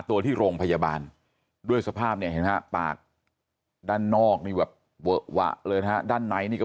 ตัวที่โรงพยาบาลด้วยสภาพเนี่ยฮะปากด้านนอกมีแบบเวอะวะเลยฮะด้านไหนนี่ก็